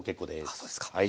あそうですか。